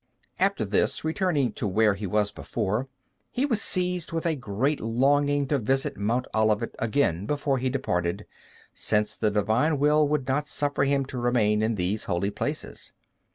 After this, returning to where he was before, he was seized with a great longing to visit Mount Olivet again before he departed, since the Divine Will would not suffer him to remain in those holy places.